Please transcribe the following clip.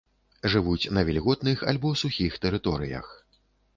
Жывуць на вільготных альбо сухіх тэрыторыях.